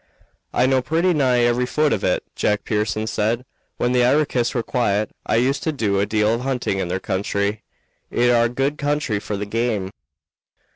"I know pretty nigh every foot of it," Jack Pearson said. "When the Iroquois were quiet I used to do a deal of hunting in their country. It are good country for game."